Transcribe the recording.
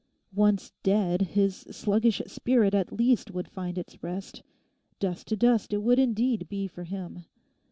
Once dead his sluggish spirit at least would find its rest. Dust to dust it would indeed be for him.